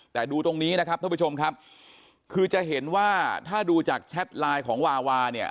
แต่ดูตรงนี้นะครับท่านผู้ชมครับคือจะเห็นว่าถ้าดูจากแชทไลน์ของวาวาเนี่ย